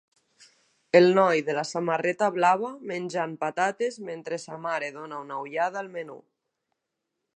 El noi de la samarreta blava menjant patates mentre sa mare dona una ullada al menú